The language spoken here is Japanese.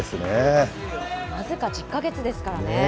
僅か１０か月ですからね。